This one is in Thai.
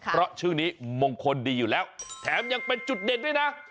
เพราะชื่อนี้มงคลดีอยู่แล้วแถมยังเป็นจุดเด่นด้วยนะ